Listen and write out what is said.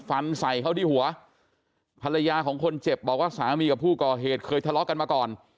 ฟันใส่เขาที่หัวภรรยาของคนเจ็บบอกว่าสามีกับผู้ก่อเหตุเคยทะเลาะกันมาก่อน